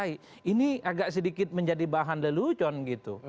ini agak sedikit menjadi bahan lelucon gitu